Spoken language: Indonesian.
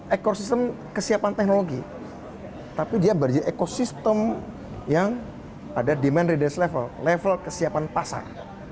ekosistem kesiapan teknologi tapi dia berjikosistem yang ada demand rate level level kesiapan pasar